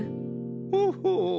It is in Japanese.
ほほう。